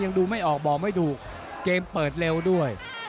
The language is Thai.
ดูไม่ออกบอกไม่ถูกเกมเปิดเร็วด้วย